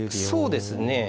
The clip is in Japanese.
そうですね。